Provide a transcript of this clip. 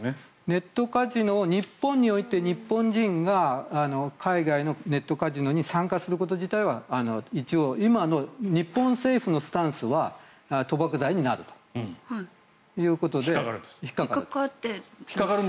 ネットカジノを日本において日本人が海外のネットカジノに参加すること自体は一応、今の日本政府のスタンスは賭博罪になるということで引っかかる。